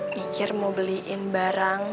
pikir mau beliin barang